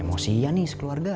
emosi ya nih sekeluarga